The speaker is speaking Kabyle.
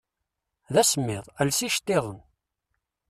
Dasemmiḍ, els icettiḍen!